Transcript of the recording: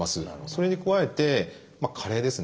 それに加えて加齢ですね。